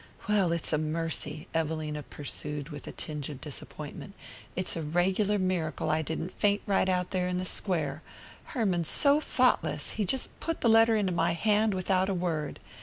"Well, it's a mercy," Evelina pursued with a tinge of disappointment. "It's a regular miracle I didn't faint right out there in the Square. Herman's so thoughtless he just put the letter into my hand without a word.